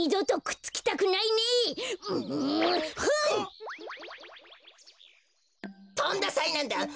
とんださいなんだ！